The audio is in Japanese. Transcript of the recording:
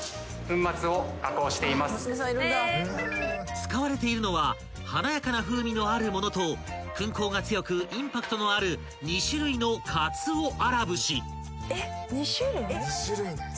［使われているのは華やかな風味のある物と薫香が強くインパクトのある２種類のかつお荒節］